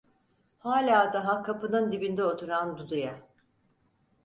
Hala daha kapının dibinde oturan Dudu'ya: